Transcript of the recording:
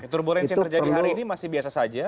turbulensi yang terjadi hari ini masih biasa saja